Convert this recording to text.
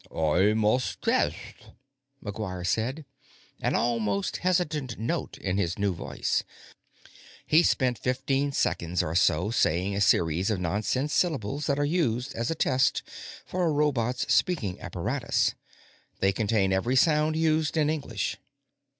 "I must test," McGuire said, an almost hesitant note in his new voice. He spent fifteen seconds or so saying a series of nonsense syllables that are used as a test for a robot's speaking apparatus. They contain every sound used in English.